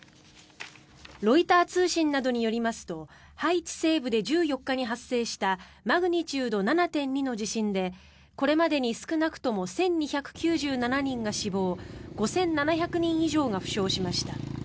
ロイター通信などによりますとハイチ西部で１４日に発生したマグニチュード７．２の地震でこれまでに少なくとも１２９７人が死亡５７００人以上が負傷しました。